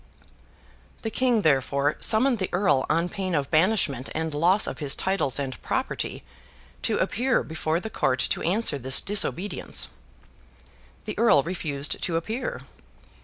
The King, therefore, summoned the Earl, on pain of banishment and loss of his titles and property, to appear before the court to answer this disobedience. The Earl refused to appear.